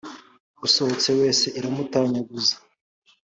usohotse wese iramutanyaguza